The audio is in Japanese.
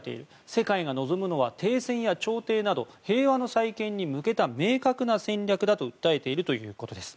世界が望むのは停戦や調停など平和の再建に向けた明確な戦略だと訴えているということです。